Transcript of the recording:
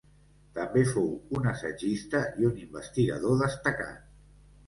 També fou un assagista i un investigador destacat.